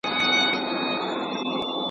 خو څرنګه چي د پښتو په ژبه کي .